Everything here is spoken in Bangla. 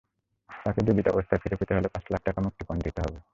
তাকে জীবিত অবস্থায় ফিরে পেতে হলে পাঁচ লাখ টাকামুক্তিপণ দিতে হবে।